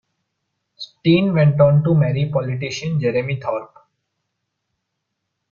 Stein went on to marry politician Jeremy Thorpe.